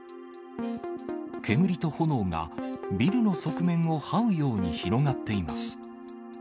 煙と炎がビルの側面をはうように広がっています。